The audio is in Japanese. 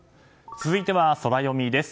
続いてはソラよみです。